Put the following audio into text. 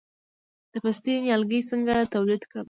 د پستې نیالګي څنګه تولید کړم؟